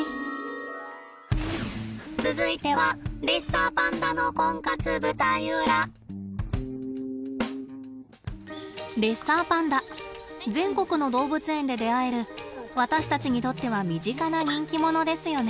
続いてはレッサーパンダ全国の動物園で出会える私たちにとっては身近な人気者ですよね。